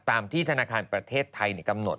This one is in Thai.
ตามที่ธนาคารประเทศไทยกำหนด